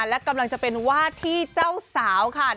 และกำลังจะเป็นวาดที่เจ้าสาวค่ะ